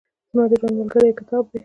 زما د ژوند ملګری کتاب دئ.